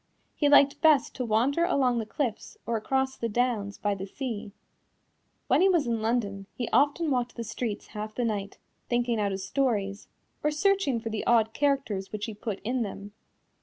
He liked best to wander along the cliffs or across the downs by the sea. When he was in London he often walked the streets half the night, thinking out his stories, or searching for the odd characters which he put in them.